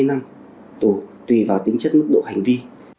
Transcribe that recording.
hai năm tù tùy vào tính chất mức độ hành vi